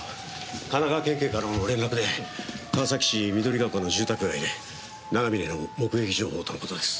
神奈川県警からの連絡で川崎市緑ヶ丘の住宅街で長嶺の目撃情報との事です。